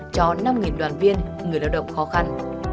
cho năm đoàn viên người lao động khó khăn